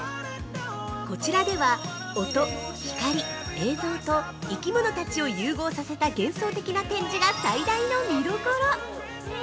◆こちらでは、音、光、映像と生き物たちを融合させた幻想的な展示が最大の見どころ！